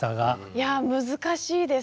いや難しいですね。